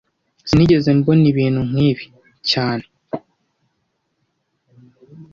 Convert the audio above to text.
Sinigeze mbona ibintu nkibi cyane